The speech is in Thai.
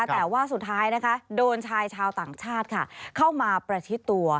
แต่สุดท้ายโดนชายชาวต่างชาติเข้ามาประทิตัว